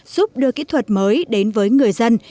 giúp đưa kỹ thuật mới đến với người dân